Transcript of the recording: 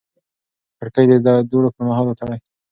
کړکۍ د دوړو پر مهال وتړئ.